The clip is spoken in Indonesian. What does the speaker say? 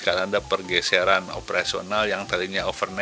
karena ada pergeseran operasional yang tadinya overridden